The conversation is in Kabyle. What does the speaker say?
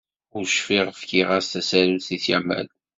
Ur cfiɣ fkiɣ-as tasarut i Kamal.